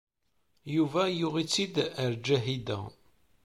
Yuba yuɣ-it-id ɣer Ǧahida.